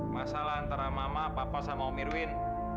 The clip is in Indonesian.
masalah antara mama papa sama om irwin